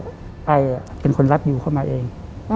ไอเป็นคนรับอยู่เข้ามาเอง